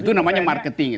itu namanya marketing